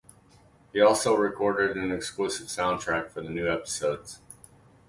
He also recorded an exclusive soundtrack for the new episodes.